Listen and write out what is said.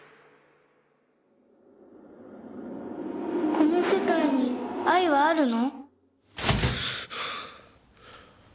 「この世界に愛はあるの？」